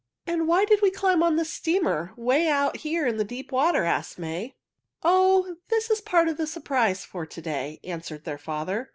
"And why did we climb onto this steamer 'way out here in the deep water?" asked May. "Oh, this is part of the surprise for to day," answered their father.